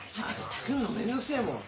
作るの面倒くせえもん。